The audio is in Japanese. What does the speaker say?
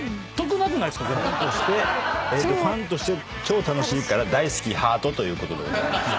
「ファンとして超楽しいから大好きハート」ということでした。